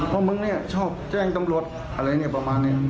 ว่ามึงเนี่ยชอบแจ้งตำรวจอะไรเนี่ยประมาณนี้